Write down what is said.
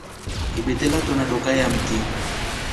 Ibete latona dokaa ya mti.